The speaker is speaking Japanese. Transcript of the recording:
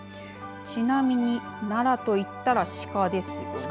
ちなみに奈良と言ったらしかです。